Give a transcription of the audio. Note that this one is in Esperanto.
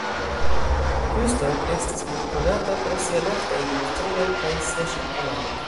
Houston estas mondkonata pro sia nafta industrio kaj sia ŝip-kanalo.